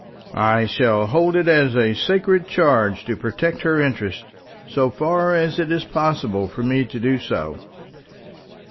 "I shall hold it a sacred charge to protect her interests, so far as it is possible for me to do so."